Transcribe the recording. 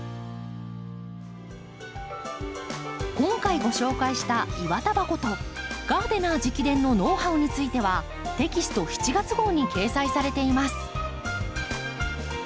今回ご紹介したイワタバコとガーデナー直伝のノウハウについてはテキスト７月号に掲載されています。